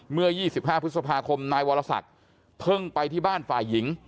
เมื่อ๒๕พฤษภาคมนายวรศักดิ์เพิ่งไปที่บ้านฝ่ายหญิง